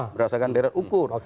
berdasarkan deret ukur